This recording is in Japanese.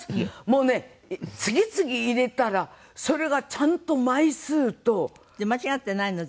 もうね次々入れたらそれがちゃんと枚数と。で間違ってないの？